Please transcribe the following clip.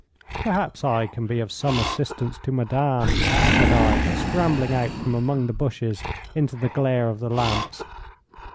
'Perhaps I can be of some assistance to madame,' said I, scrambling out from among the bushes into the glare of the lamps.